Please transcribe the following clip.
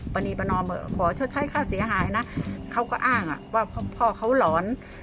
ปณีประนอมขอชดใช้ค่าเสียหายนะเขาก็อ้างว่าพ่อเขาหลอน